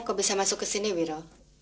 kok bisa masuk ke sini wiro